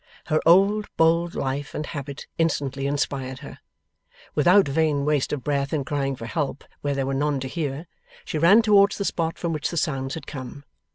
Her old bold life and habit instantly inspired her. Without vain waste of breath in crying for help where there were none to hear, she ran towards the spot from which the sounds had come.